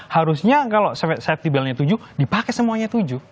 harusnya kalau safety belt nya tujuh dipakai semuanya tujuh